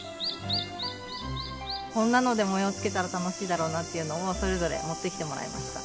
こんなので模様つけたら楽しいだろうなっていうのをそれぞれ持ってきてもらいました。